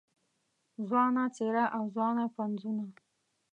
ځوانه څېره او ځوانه پنځونه